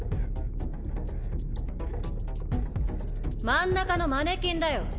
真ん中のマネキンだよ。